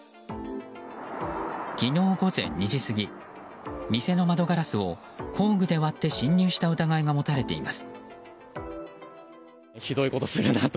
昨日午前２時過ぎ店の窓ガラスを工具で割って侵入した疑いが持たれています。